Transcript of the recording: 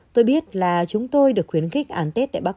tôi biết là chúng tôi được khuyến khích